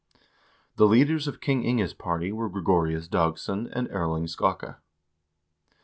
The leaders of King Inge's party were Gregorius Dagss0n and Erling Skakke.